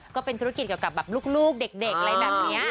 ก็เป็นธุรกิจเกี่ยวกับแบบลูกเด็กอะไรแบบนี้